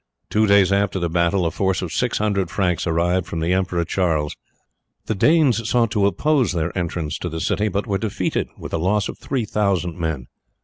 Two days after the battle a force of six hundred Franks arrived from the Emperor Charles. The Danes sought to oppose their entrance to the city, but were defeated with a loss of three thousand men.